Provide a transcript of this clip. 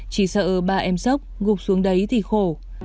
chỉ sợ ba em sốc gục xuống đấy thì khổ